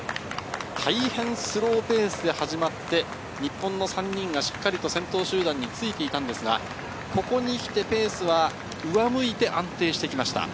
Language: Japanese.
大変スローペースで始まって日本の３人がしっかりと先頭集団についていたんですが、ここに来てペースは上向いて安定してきました。